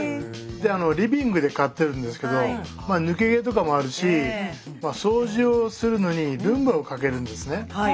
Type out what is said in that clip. リビングで飼ってるんですけど抜け毛とかもあるし掃除をするのにルンバをかけるんですね。